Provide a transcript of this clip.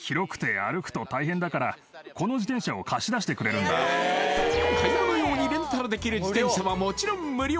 これ買い物用にレンタルできる自転車はもちろん無料